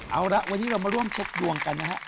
เอาละวันนี้เรามาร่วมเช็คดวงกันนะฮะ